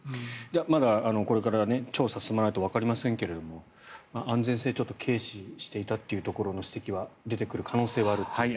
まだこれから調査が進まないとわかりませんが安全性ちょっと軽視していたというところの指摘は出てくる可能性が出てくると。